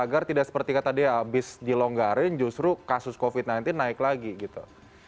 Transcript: agar tidak seperti katanya abis dilonggarin justru kasus covid sembilan belas naik lagi gitu